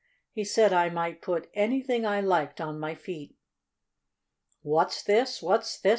He said I might put anything I liked on my feet." "What's this? What's this?"